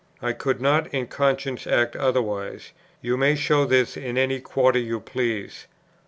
I could not in conscience act otherwise. You may show this in any quarter you please."